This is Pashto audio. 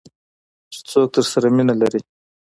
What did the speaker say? چې څوک درسره مینه لري .